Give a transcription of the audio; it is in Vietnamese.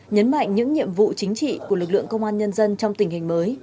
nhấn mạnh những nhiệm vụ chính trị của lực lượng công an nhân dân trong tình hình mới